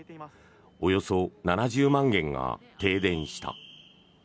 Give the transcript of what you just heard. およそ７０万軒が停電した。